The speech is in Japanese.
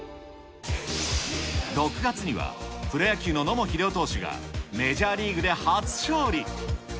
６月には、プロ野球の野茂英雄投手がメジャーリーグで初勝利。